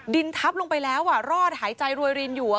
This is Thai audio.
ดินทับลงไปแล้วรอดหายใจรวยรินอยู่